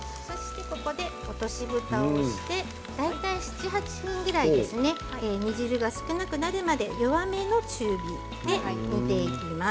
落としぶたをして大体７分から８分ぐらい煮汁が少なくなるぐらい弱めの中火で煮ていきます。